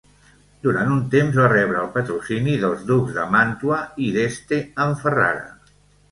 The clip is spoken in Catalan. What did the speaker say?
Durant un temps va rebre el patrocini dels ducs de Màntua i d'Este, en Ferrara.